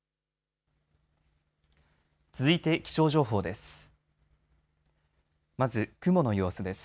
続いて気象情報です。